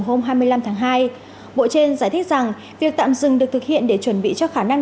hôm hai mươi năm tháng hai bộ trên giải thích rằng việc tạm dừng được thực hiện để chuẩn bị cho khả năng